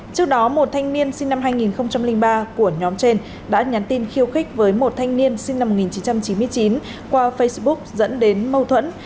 trước đó một thanh niên sinh năm hai nghìn ba của nhóm trên đã nhắn tin khiêu khích với một thanh niên sinh năm một nghìn chín trăm chín mươi chín qua facebook dẫn đến mâu thuẫn